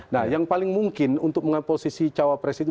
nah yang paling mungkin untuk mengaposisi cawapresiden